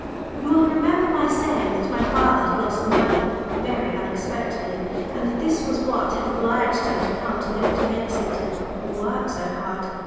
You will remember my saying that my father had lost money very unexpectedly, and that this was what had obliged him to come to live at Mexington and work so hard.